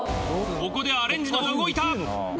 ここでアレンジの女王が動いた！